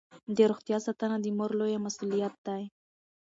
د روغتیا ساتنه د مور لویه مسوولیت ده.